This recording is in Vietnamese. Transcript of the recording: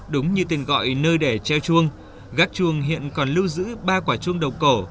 đúng như tên gọi nơi để treo chuông gác chuồng hiện còn lưu giữ ba quả chuông đầu cổ